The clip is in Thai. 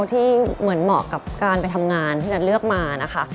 ที่เหมือนเหมาะกับการไปทำงานที่จะเลือกมานะคะ